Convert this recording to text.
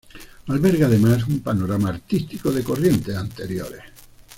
Alberga además un panorama artístico de corrientes anteriores.